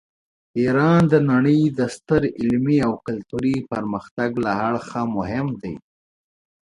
ایران د نړۍ د ستر علمي او کلتوري پرمختګ له اړخه مهم دی.